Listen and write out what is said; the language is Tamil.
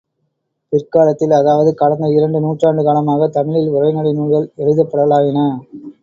பிற்காலத்தில் அதாவது கடந்த இரண்டு நூற்றாண்டு காலமாகத் தமிழில் உரைநடை நூல்கள் எழுதப்படலாயின.